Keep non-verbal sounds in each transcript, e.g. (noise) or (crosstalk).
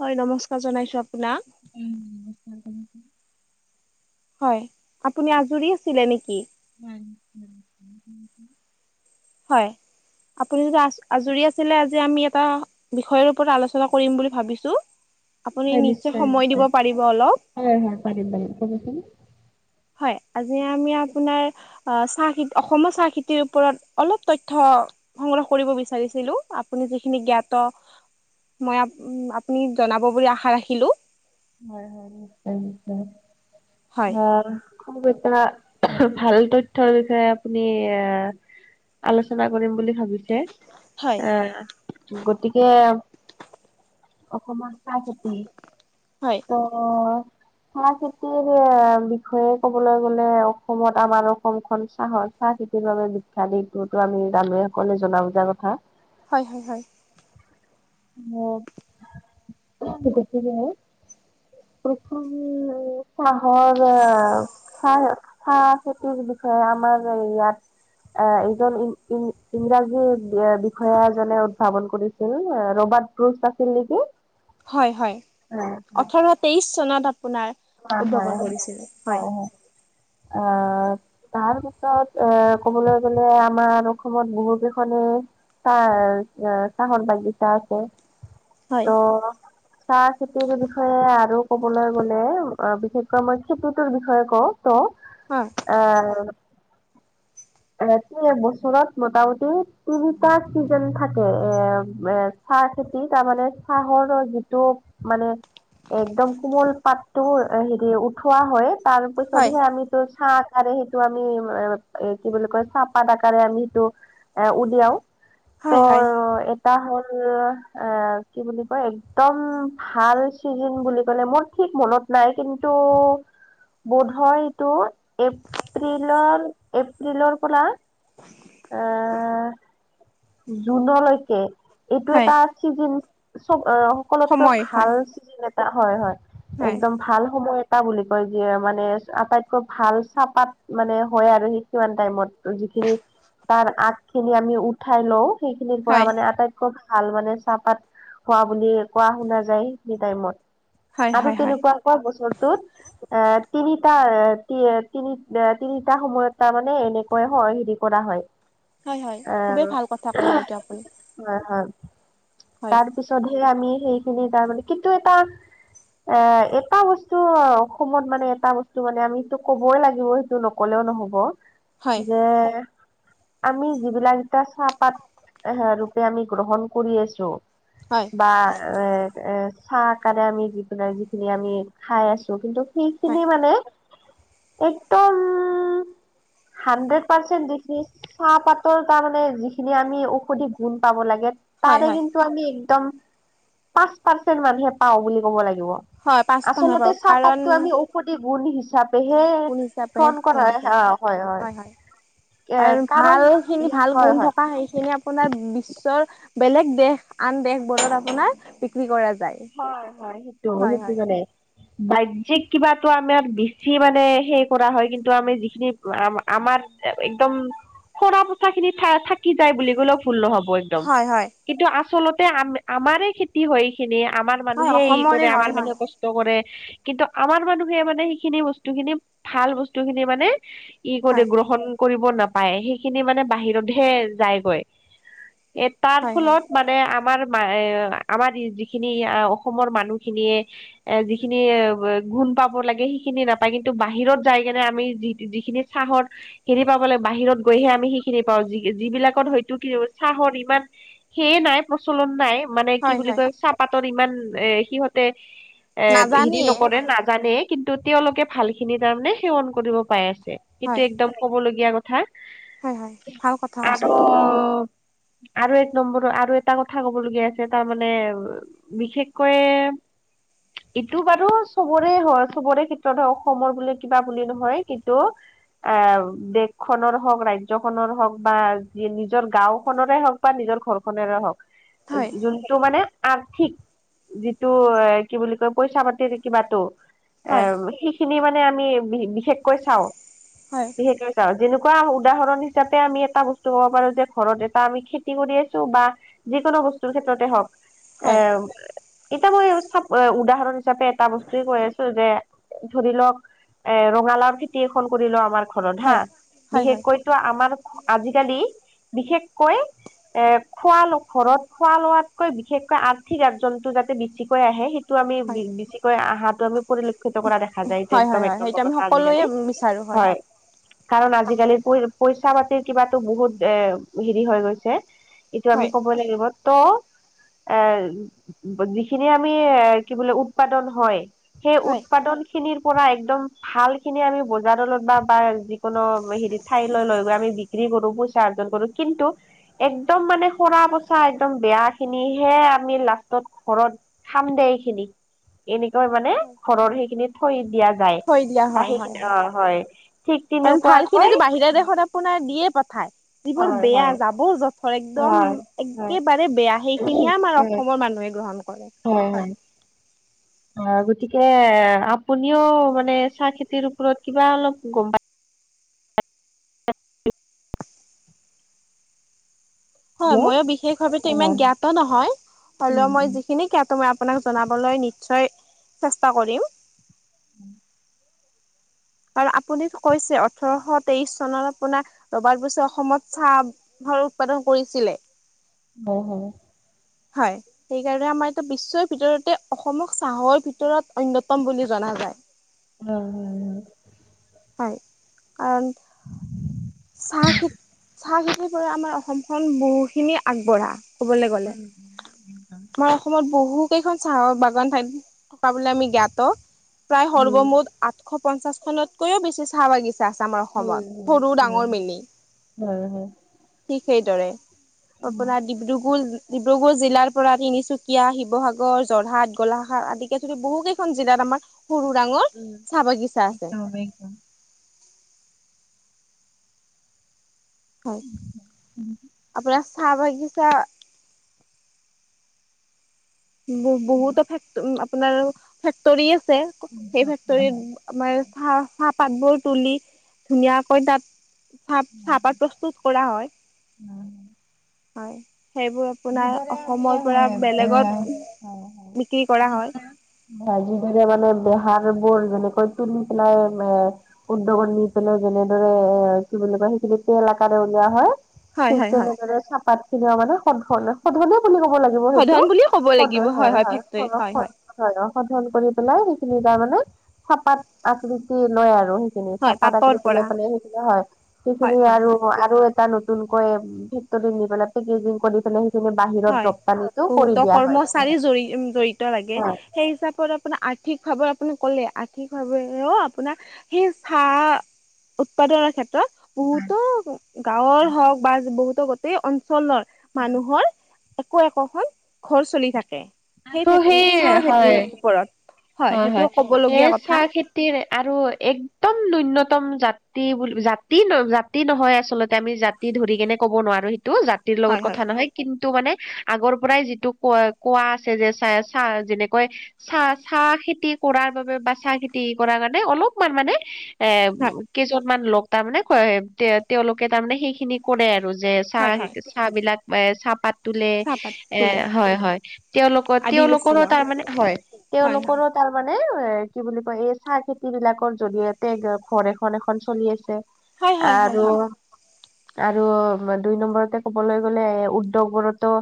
হয় নমস্কাৰ জনাইছোঁ আপোনাক। উম নমস্কাৰ তুমাকো। হয় আপুনি আজৰি আছিলে নেকি? উম। হয়, আপুনি আজ-আজৰি আছিলে আজি আমি এটা। বিষয়ৰ ওপৰত আলোচনা কৰিম বুলি ভাবিছোঁ আপুনি নিশ্চয় সময় দিব পাৰিব অলপ। হয়, হয় পাৰিম, পাৰিম ক'বচোন। হয়, আজি আমি আপোনাৰ। আহ চাহ খেতি অসমৰ চাহ খেতিৰ ওপৰত অলপ তথ্য। সংগ্ৰহ কৰিব বিচাৰিছিলোঁ আপুনি যিখিনি জ্ঞাত। মই আপ-আপুনি জনাব বুলি আশা ৰাখিলোঁ। হয়, হয় নিশ্চয়, নিশ্চয় হয় অ,। এটা ভাল তথ্যৰ বিষয়ে আপুনি আহ আলোচনা কৰিম বুলি ভাবিছোঁ। যে হয় আ গতিকে অসমত চাহ খেতি হয়। অ। চাহ খেতিৰ আ বিষয়ে কবলৈ গ'লে অসমত আমাৰ অসমখন চাহৰ চাহ খে তিৰ বাবে বিখ্যাত এইটো ত আমি জানোয়ে সকলোৱে জনা বুজা কথা। হয় হয় হয়। মোক গতিকে প্ৰথম য়ে চাহৰে হয় চাহ খেতিৰ বিষয়ে আমাৰ ইয়াত আহ এইজন ইং ইং ইংৰাজী বিষয়া এজনে উদ্ভাৱন কৰিছিল আত। ৰবাৰ্ট ক্ৰুষ্ট আছিল নেকি? হয় হয় হয় ওঠৰ তেইশ চনত আপোনাৰ হয় উদ্ভাৱন কৰিছিলে হয় (inaudible) আ তাৰ পিছত এ ক'বলৈ গ'লে আমাৰ অসমত বহু কেইখনে চাহ চাহৰ বাগিচা আছে। হয় ত চাহ খেতিৰ বিষয়ে আৰু কবলৈ গ'লে অ বিশেষকৈ মই খেতিটোৰ বিষয়ে কওঁ ত উ। আৰ বাকী এবছৰত মোটামুটি তিনিটা চিজন থাকে এ এ চাহ খেতি তাৰমানে চাহৰৰ যিটো মানে একদম কোমল পাতটো হেৰি উঠোৱা হয়। হয় তাৰপিছতহে আমিতো চাহকাৰে সেইটো আমি (inaudible) কি বুলি কয় চাহপাত আকাৰে আমি সেইটো উলিয়াও হয় ত হয় তা হ'ল এ কি বুলি কয় একদম ভাল চিজন বুলি কলে মোৰ ঠিক মনত নাই কিন্তু বোধহয় এইটো এপ্ৰিলৰ দিলৰ ফলা আহ জুনলৈকে এইটো হয় এটা চিজন চব অ সকলোতকৈ সময় ভাল হয় এটা হয় হয় হয় একদম ভাল সময়ত টা বুলি কয় যিয়ে মানে আটাইতকৈ ভাল চাহপাত মানে হয় আৰু সি কিমান টাইমত যিখিনি তাৰ আগ খিনি আমি উ উঠাই লও সেইখিনিৰ পৰা হয় মানে আটাইত খুব ভাল মানে চাহপাত হোৱা বুলি কোৱা শুনা যায় সেইটো টাইমত হয় আৰু হয় হয় তেনেকুৱাকোৱা বছৰটোত এ তিনিটা তিনি তিনিটা সময়ত তাৰমানে এনেকৈ হয় হেৰি কৰা হয়। হয় হয় খুবেই আহ ভাল কথা কলে এইটো আপুনি। হয় হয় হয় তাৰ পিছতহে আমি সেইখিনি তাৰমানে কিন্তু এটা অ এটা বস্তু অসমত মানে এটা বস্তু মানে আমি সেইটো কবই লাগিবই টো নকলেও নহ'ব হয় যে আমি যিবিলাক এতিয়া চাহপাত এ ৰূপে আমি গ্ৰহণ কৰি আহিছোঁ হয়। বা এ এ চাহআকাৰে আমি দি পেলাই যিখিনি আমি খাই আছো কিন্তু হয় সেইখিনি মানে একদম উ (unintelligible) হাণ্ড্ৰেড পাৰ্চেন্ত দেখি। চাহপাতৰ তাৰমানে যিখিনি আমি ঔষধি গুণ পাব লাগে। হয় তাৰে হয় কিন্তু আমি একদম পাঁচ পাৰ্চেণ্ট মানহে পাওঁ বুলি ক'ব লাগিব। হয় পাঁচটা হয় আচলতে বাৰু কাৰণ চাহপাতটো আমি ঔষধি গুণ হিচাপ পেহীয়ে গুণ হিচাপেহে ফোন কৰা গ্ৰহণ কৰোঁ অ' হয় হয়। এ আৰু কাৰণ ভাল খিনি ভাল হয় গুণ হয় থকা সেইখিনি আপোনাৰ বিশ্বৰ বেলেগ দেশ, আন দেশবোৰত আপোনাৰ বিক্ৰী কৰা যায়। হয়, হয় সেইটো হয় সেইটো হয় জানে। বাহ্যিক কিবা টো আমাৰ বেছি মানে সেই কৰা হয়। কিন্তু আমি যিখিনি আমাৰ একদম সৰা পোচাখিনি থ থাকি যায় বুলি ক'লেও ভুল নহ'ব। হয় হয় কিন্তু আচলতে আম আমাৰে খেতি হয় এই খিনি। আমাৰ হয় মানুহে ই অসমৰে কৰে, হয় আমাৰ হয় মানুহে কষ্ট কৰে, কিন্তু আমাৰ মানুহে মানে সেইখিনি বস্তু খিনি ভাল বস্তু খিনি মানে ই কৰি হয় গ্ৰহণ কৰিব নাপায়। সেইখিনি মানে বাহিৰতহে যায়গৈ। এ তাৰ হয় হয় ফলত মানে আমাৰ মা আমাৰ যি খিনি অসমৰ মানুহখিনিয়ে এ যিখিনি গুণ পাব লাগে সেইখিনি নাপায়। কিন্তু বাহিৰত যাই কেনে আমি যি যিখিনি চাহৰ যিখিনি পাব লাগে বাহিৰত গৈহে আমি সেইখিনি পাওঁ। যি যিবিলাকত হয়তো কি চাহৰ ইমান সেয়ে নাই প্ৰচলন নাই, মানে কি হয় বুলি হয় কয় চাহপাতৰ ইমান এ সিহঁতে এ হেৰি নাজানিয়ে নকৰে হয় না। জানেই, কিন্তু তেওঁলোকে ভালখিনি তাৰমানে সেৱন কৰিব পাই আছে। কিন্তু হয় একদম কবলগীয়া কথা হয় হয় ভাল কথা হা কৈছে আৰু (unintelligible) আৰু এক নম্বৰৰ, আৰু এটা কথা কব লগীয়া আছে। তাৰমানে বিশেষকৈয়ে এইটো বাৰু চবৰে হয়, চবৰে ক্ষেত্ৰত হয় অসমৰ বোলে কিবা বুলি নহয়। কিন্তু এ দেশখনৰ হওঁক বা ৰাজ্যখনৰ হওঁক বা যি নিজৰ গাওঁখনৰে হওঁক বা নিজৰ ঘৰখনৰে হওঁক। হয় যোনটো মানে আ ৰ্থিক যিটো কি বুলি কয় পইচাপাতিৰ যি কিবাটো। এ, হয় সি খিনি মানে আমি বিশেষকৈ চাওঁ। হয়। বিশেষকে চাওঁ। যেনেকুৱা উদাহৰণ হিচাপে আমি এটা বস্তু ক'ব পাৰো যে ঘৰত এটা আমি খেতি কৰি আছোঁ। বা যিকোনো বস্তুৰ ক্ষেত্ৰতে হওঁক। এ, হয় এতিয়া মই চাওঁক উদাহৰণ হিচাপে এটা বস্তুয়ে কৈ আছোঁ যে ধৰি লওঁক এ, ৰঙালাও খেতি এখন কৰিলো আমাৰ ঘৰত হা', হয় হয় হয় বিশেষকৈ টো আমাৰ আজিকালি বিশেষকৈ এ, খোৱা ল ঘৰত খোৱা-লোৱাতকৈ বিশেষকৈ আৰ্থিক আৰ্জনটো যাতে বেছিকৈ আহে, সেইটো আমি বেছিকৈ আহাটো আমি পৰিলক্ষিত কৰা দেখা যায়, এইটো হয় হয় হয় একদম হয় এক সেইটো নম্বৰ আমি কথা সকলোৱে আজিকালি। বিচাৰো হয়। কাৰণ আজিকালি পই পইচা পাতিৰ কিবাতো বহুত এ হেৰি হৈ গৈছে। এইটো আমি হয় ক'বই লাগিব। ত' এ, যিখিনি আমি এ কি বোলে উৎপাদন হয়, সেই হয় উৎপাদন খিনিৰ পৰা একদম ভালখিনি আমি বজাৰলৈ বা-বা যিকোনো হেৰি ঠাইলৈ লৈ গৈ আমি বি ক্ৰী কৰোঁ পইচা অৰ্জন কৰোঁ। কিন্তু একদম মানে সৰা পচা একদম বেয়াখিনি হে আমি লাষ্টত ঘৰত খামদে এইখিনি, এনেকৈ মানে ঘৰৰ সেইখিনিত থৈ দিয়া যায় থৈ দিয়া বা হয় হয় সেইখিনি অহ' হয়। ঠিক কাৰণ ভাল খিনিতো তেনেকুৱাকৈ বাহিৰা দেশত আপোনাৰ দিয়ে পঠায়। যিবোৰ হয় হয় বেয়া জাৱৰ-জথৰ একদম হয় হয় একেবাৰে বেয়া সেইখিনিয়ে আমাৰ অ হয় সমৰ মানুহে গ্ৰহণ কৰে। হয় হয়। (unintelligible) অঁ' গতিকে আপুনিও মানে চাহখেতিৰ ওপৰত কিবা অলপ গম পাই হয়, হেল্ল' মইয়ো বিশেষ ভাৱে অ হয় ইমানটো হয় জ্ঞাত নহয়, হ'লেও মই উম যিখিনি জ্ঞাত মই আপোনাক জনাবলৈ নিশ্চয় চেষ্টা কৰিম। (unintelligible) আৰু আপুনিটো কৈছে, ওঠৰশ তেইশ চনত আপোনাৰ ৰবাৰ্ট বুচে অসমত চাহ ৰ উৎপাদন কৰিছিলে। অঁ' হয়। হয়। সেইকাৰণে আমাৰ এতিয়া বিশ্বৰ ভিতৰতে অসমক চাহৰ ভিতৰত অন্যতম বুলি জনা যায়। হম, হম, হম। হয়, কাৰণ (unintelligible) চাহখেতি, চাহখেতিৰ পৰা আমাৰ অসমখন বহুখিনি আগবঢ়া। ক'বলে হয় হয় গ'লে। আমাৰ অসমত বহুকেইখন চাহৰ বাগান ঠাইত থকা বুলি আমি জ্ঞাত। প্ৰায় উম সৰ্বমুঠ আঠশ পঞ্চাশ খনতকৈও বেছি চাহ বাগিচা আছে আমাৰ উম হয় অসমত। হয় সৰু হয় ডাঙৰ মিলি, হয় হয় হয় ঠিক সেইদৰে। তাৰ পৰা ডিব্ৰুগড় ডিব্ৰুগড় জিলাৰ পৰা তিনিচুকীয়া, শিৱসাগৰ, যোৰহাট, গোলাঘাট আদিকে ধৰি বহুকেইখন জিলাত আমাৰ সৰু ডাঙৰ উম চাহ বাগিছা আছে। হয়। আপোনাৰ চাহবাগিচা বহু-বহুতো আপোনাৰ ফেক্টৰী আছে। সেই ফেক্টৰীত আমাৰ চাহ চাহপাত বোৰ তুলি ধুনীয়াকৈ তাত চাহ-চাহপাত প্ৰস্তুত কৰা হয়। হয়, সেইবোৰ আপোনাৰ অসমৰ পৰা বেলেগত বিক্ৰী কৰা হয়। যিদৰে মানে বেহাৰ বোৰ যেনেকৈ তুলি পেলাই এ উদ্যোগত নি পেলাই যেনেদৰে এ কি বুলি কয় সেইখিনি তেল আকাৰে উলিওৱা হয়। হয় ঠিক হয় হয় তেনেদৰে চাহপাত খিনিও মানে সদধৰণে সদধৰনে বুলি ক'ব লা (unintelligible) শোধন সেইটো বুলিয়ে ক'ব সদ, লাগিব হয় ফেক্টৰীত হয় (unintelligible) হয় অঁ' সধন কৰি পেলাই সেইখিনি তাৰ মানে চাপাত আকৃতি লয় আৰু খিনি হয় চাহপাত পাটৰ আকূতি লৈ পৰা পেলাই সেইখিনি হয়। হয় সেইখিনি হয় হয় আৰু টা নতুনকৈ ফেক্টৰীত নি পেলাই পেকেজিং কৰি পেলাই সেইখিনি বাহিৰত হয়, ৰপ্তানিটো কৰি বহুতো দিয়া হয় মানে কৰ্মচাৰী জৰি জড়িত লাগে। হয় সেই হিচাপত আপোনাৰ আৰ্থিকভাৱে আপুনি ক'লে, আৰ্থিকভাৱেও আপোনাৰ সেই চাহ উৎপাদনৰ ক্ষেত্ৰত বহুতো গাঁৱৰ হওক বা বহুতো গোটেই অঞ্চলৰ মানুহৰ একো একোখন ঘৰ চলি থাকে সেই ত' চাহ হয় খেতিৰ ওপৰত হয় সেইটো ক'ব লগীয়া কথা খেতি আৰু এক একদম নুইনতম জাতি বুলি জাতি ন জাতি নহয় আচলতে আমি জা ধৰি কেনে ক'ব নোৱাৰোঁ সেইটো জাতিৰ লগত হয় হয় কথা নহয়। কিন্তু মানে আগৰ পৰাই যিটো কোৱা কোৱা আছে যে চ চাহ যেনেকৈ চাহ চাহ খেতি কৰাৰ বাবে বা চাহ খেতি কৰাৰ কাৰণে অলপমান মানে এ হয় কেইজনমান লোক তাৰমানে ক তে তেওঁলোকে তাৰমানে সেইখিনি কৰে আৰু যে হয় চাহ হয় চাহ বিলাক এ চাহপাত তোলে চাহপাত এ তোলে হয় হয় তেওঁলোকৰ আদিবাসী তেওঁলোকৰো লগ তাৰ মানে হয় হয় হয় তেওঁলোকৰো তাৰ মানে এ কি বুলি কয় এই চাহ খেতি বিলাকৰ জৰিয়তে ঘৰ এখন এখন চলি আছে। হয় হয় হয় আৰু হয় আৰু দুই নম্বৰতে ক'বলৈ গ'লে উদ্যোগবোৰতো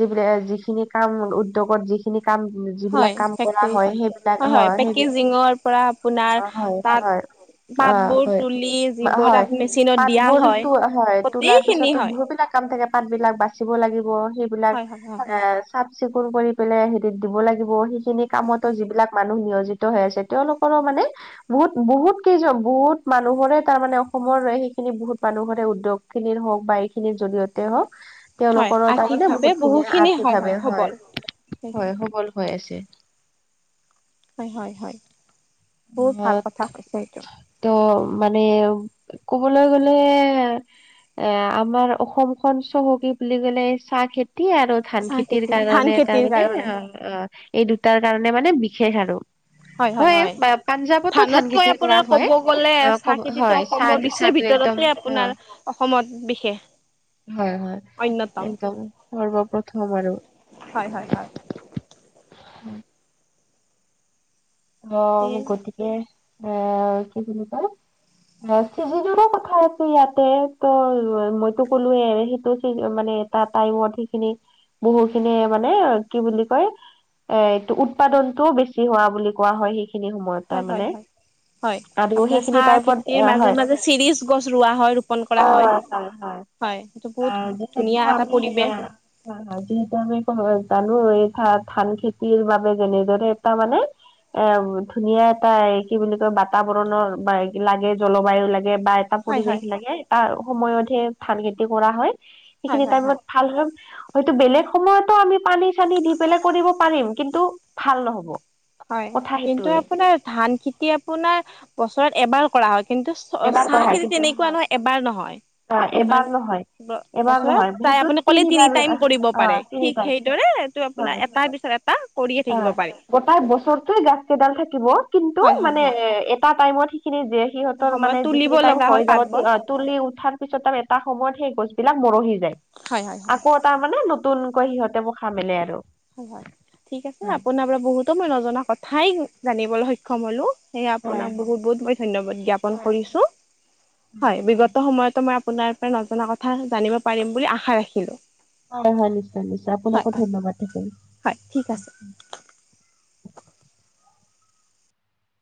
যিবিলাক যিখিনি কাম উদ্যোগত যিখিনি কাম হয় যিবিলাক কাম কৰা ফেক্টৰী হয় সেইবিলাক হয় সেই পেকেজিঙৰ পৰা হয় আপোনাৰ তাত হয় অ পাতবোৰ হয় তুলি যিবোৰ হয় তাত মেচিনত দিয়া পাতবোৰ হয় তো হয় তোলাৰ গোটেইখিনি পিছতো হয়। যিবলাক কাম থাকে পাত বিলাক বাচিব লাগিব সেইবিলাক হয় হয় হয় এ হয়। চাফ চিকুণ কৰি পেলাই হেৰিত দিব লাগিব সেইখিনি কামতো যিবিলাক মানুহ নিয়োজিত হৈ আছে তেওঁলোকৰো মানে বহুত বহুত কেইজন বহুত মানুহৰে তাৰ মানে অসমৰ সেইখিনি বহুত মানুহৰে উদ্যোগ খিনিৰ হওঁক বা এইখিনিৰ জৰিয়তে হওঁক হয় তেওঁলোকৰ তাৰমানে আৰ্থিকভাৱে বহুত খিনিয়ে বহুখিনি আৰ্থিক ভাৱে সবল। হয় হয় সবল হৈ আছে। হয়, হয়, হয়, বহুত অ ভাল কথা কৈছে সেইটো ত' মানে ক'বলৈ গ'লে এ আমাৰ অসমখন চহকী বুলি ক'লে চাহ খেতি আৰু। ধান চাহ খেতিৰ খেতি ধান কাৰণে তাৰ খেতিৰ মানে কাৰণে। অ' অ' এই দুটাৰ কাৰণে মানে বিশেষ আৰু হয় হয় হয়। বা পাঞ্জাৱতো ধান ধানতকৈ খেতি কৰা আপোনাৰ হয়। কব গ'লে অ', কব চাহ খেতিটো হয় চাহ অসমৰ বিশ্বৰ চাহটো একদম ভিতৰতে অ', আপোনাৰ অসমত বিশেষ হয় হয় অন্যতম। একদম সৰ্বপ্ৰথম আৰু। হয় হয় হয় অ উম। গতিকে এ কি বুলি কয় হয় চিজেনৰো কথা আছে ইয়াতে ত মইতো কলোৱে সেইটো চ মানে এটা টাইমত সেইখিনি বহু খিনিয়ে মানে কি বুলি কয় এ এইটো উৎপাদনতটোও বেছি হোৱা বুলি কোৱা হয় সেইখিনি সময়ত হয় তাৰ হয় মানে হয় হয় আৰু আপোনাৰ সেইখিনি চাহ খেতিৰ টাইপত মাজে হয় মাজে চিৰিজ গছ ৰোৱা হয় ৰোপন কৰা হয় আহ হয় সেইটো বহুত ধুনীয়া যিহেতু এটা আমি পৰিৱেশ অ' যিহেতু আমি জানোঁ এই ধান ধান খেতিৰ বাবে যেনেদৰে এটা মানে এ ধুনীয়া এটা কি বুলি কয় বাতাবৰণৰ বাইট লাগে জলবায়ু লাগে বা এটা হয় পৰিবেশ হয় লাগে এটা সময়তহে ধান খেতি কৰা হয়। হয় সেইখিনি হয় হয় টাইমত ভাল হয়তো বেলেগ সময়তো আমি পানী চানী দি পেলাই কৰিব পাৰিম, কিন্তু ভাল নহব। হয়। কথা কিন্তু সেইটোৱে। আপোনাৰ ধান খেতি আপোনাৰ বছৰত এবাৰ কৰা হয়। কিন্তু এবাৰ চাহ নহয় খেতি কিন্তু তেনেকুৱা নহয়, এবাৰ নহয় অ' মানে এবাৰ নহয় এবাৰ বছৰত নহয় প্ৰায় সেইটোত আপুনি কলেই তিনি তিনিবাৰ টাইম কৰিব অ পাৰে। ঠিক তিনিবাৰ সেইদৰে এইটো আপোনাৰ হয় এটাৰ পিছত এটা। কৰিয়ে থাকিব পাৰে। কটাই বছৰটোয়ে গাছ কেইডাল থাকিব কিন্তু হয় হয় মানে হয় এ এটা টাইমত সেইখিনি যে। সিহঁতৰ সময়ত মানে তুলিব যিখিনি টাইম লগা হয় হৈ যাব পাতবোৰ থোৱা। তুলি উঠাৰ পিছত আৰু এটা সময়ত সেই গছ বিলাক মৰহি যায়। হয় হয় হয় আকৌ। তাৰ মানে নতুনকৈ সিহঁতে পোখা মেলে আৰু। উম হয় ঠিক আছে, আপোনাৰ পৰা বহুতো মই নজনাই কথাই জানিবলৈ সক্ষম হ'লো। সেয়া হয় আপোনাক বহুত বহুত মই ধন্যবাদ জ্ঞাপন কৰিছো। হয় বিগত সময়তো মই আপোনাৰ পৰা নজনা কথা জানিব পাৰিম বুলি আশা ৰাখিলোঁ। হয় হয় নিশ্চয় নিশ্চয় হয় আপোনাকো হয় ধন্যবাদ থাকিল। হয় ঠিক আছে।